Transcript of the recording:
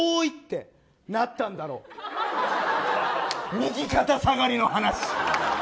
右肩下がりの話！